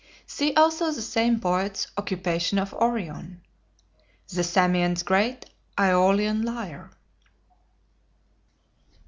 See also the same poet's "Occupation of Orion" "The Samian's great Aeolian lyre."